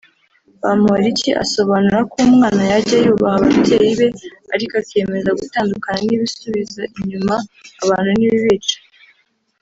Bamporiki asobanura ko umwana yajya yubaha ababyeyi be ariko akiyemeza gutandukana n’ibisubiza inyuma abantu n’ibibica